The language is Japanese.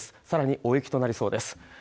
さらに大雪となりそうです